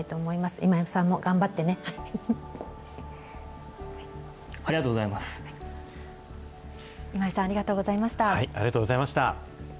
今井さん、ありがとうございました。